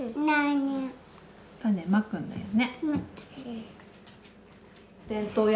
種まくんだよね。